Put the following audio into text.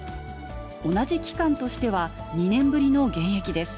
同じ期間としては２年ぶりの減益です。